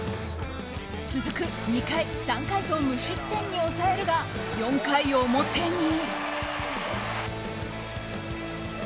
続く２回、３回と無失点に抑えるが４回表に。